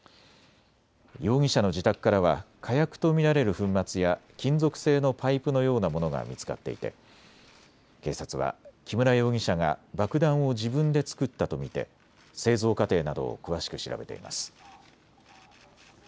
容疑者の自宅からは火薬と見られる粉末や金属製のパイプのようなものが見つかっていて警察は木村容疑者が爆弾を自分で作ったと見て製造過程などを詳しく調べています。